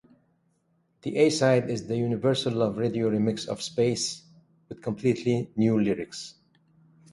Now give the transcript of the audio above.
The A-side is the Universal Love Radio Remix of "Space", with completely new lyrics.